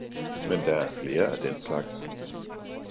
men der er flere af den slags!